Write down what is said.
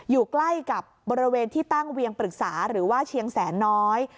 อยู่ใกล้กับบริเวณที่ตั้งเวียงปรึกษาหรือว่าเชียงแสนน้อย